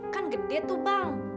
kan gede tuh bang